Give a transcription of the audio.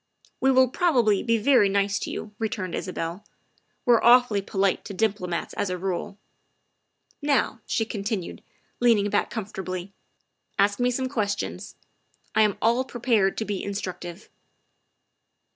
" We will probably be very nice to you," returned Isabel. " We're awfully polite to diplomats as a rule." THE SECRETARY OF STATE 53 '' Now, '' she continued, leaning back comfortably, " ask me some questions. I am all prepared to be in structive.